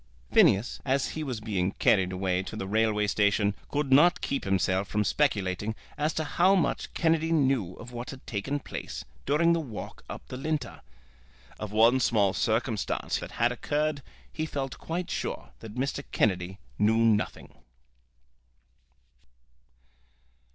Phineas, as he was being carried away to the railway station, could not keep himself from speculating as to how much Kennedy knew of what had taken place during the walk up the Linter. Of one small circumstance that had occurred, he felt quite sure that Mr. Kennedy knew nothing.